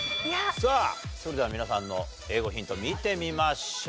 さあそれでは皆さんの英語ヒント見てみましょう。